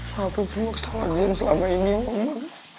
maafin gue sama jan selama ini mama